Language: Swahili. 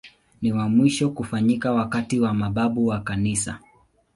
Ni wa mwisho kufanyika wakati wa mababu wa Kanisa.